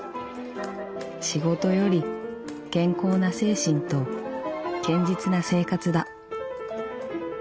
仕事より健康な精神と堅実な生活だ」。